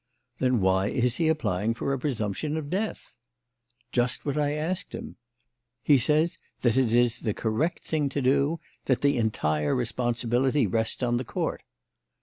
"Then why is he applying for a presumption of death?" "Just what I asked him. He says that it is the correct thing to do; that the entire responsibility rests on the Court."